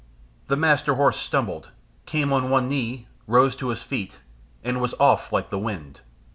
The Master Horse stumbled, came on one knee, rose to his feet, and was off like the wind.